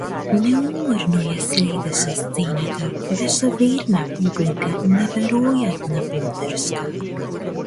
Неуморно ја следеше сцената, беше верна публика, неверојатна поддршка.